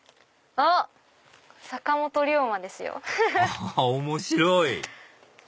あっ面白い！